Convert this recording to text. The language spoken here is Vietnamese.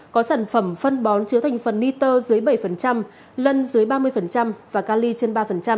có sản phẩm phân bón chứa thành phần niter dưới bảy lân dưới ba mươi và cali trên ba